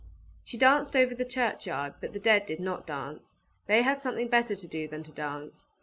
She danced over the churchyard, but the dead did not dance they had something better to do than to dance.